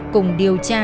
cùng điều tra